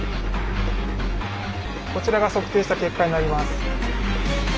こちらが測定した結果になります。